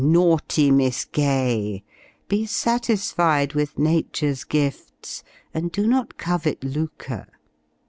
naughty Miss Gay, be satisfied with Nature's gifts, and do not covet lucre.